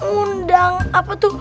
undang apa tuh